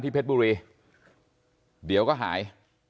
เพชรบุรีเดี๋ยวก็หาย